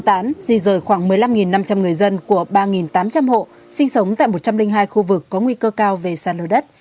tán di rời khoảng một mươi năm năm trăm linh người dân của ba tám trăm linh hộ sinh sống tại một trăm linh hai khu vực có nguy cơ cao về sạt lở đất